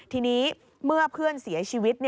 ทีนี้เมื่อเพื่อนเสียชีวิต